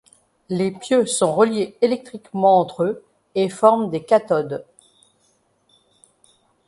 Les pieux sont reliés électriquement entre eux et forment des cathodes.